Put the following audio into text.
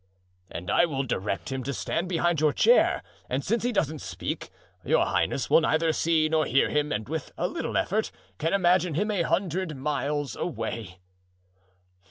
"I will direct him to stand behind your chair, and since he doesn't speak, your highness will neither see nor hear him and with a little effort can imagine him a hundred miles away."